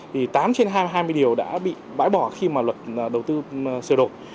thì tám trên hai mươi điều đã bị bãi bỏ khi mà luật đầu tư sửa đổi